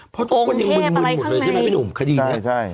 พอตัวคนนี้มืนหมดเลยใช่ไหมคดีนี้